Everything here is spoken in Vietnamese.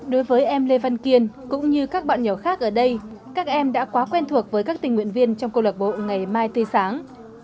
đối với em lê văn kiên cũng như các bạn nhỏ khác ở đây các em đã quá quen thuộc với các tình nguyện viên trong câu lạc bộ ngày mai tươi sáng